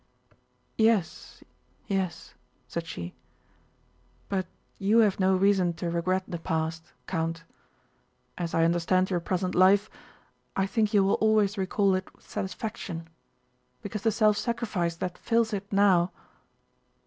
"Yes, yes," said she, "but you have no reason to regret the past, Count. As I understand your present life, I think you will always recall it with satisfaction, because the self sacrifice that fills it now..."